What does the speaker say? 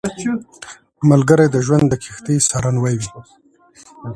ملګری د ژوند د کښتۍ سارنوی وي